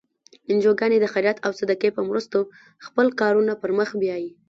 انجوګانې د خیرات او صدقو په مرستو خپل کارونه پر مخ بیایي.